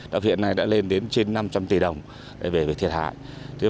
đạo viện này đã lên đến trên năm trăm linh tỷ đồng về thiệt hại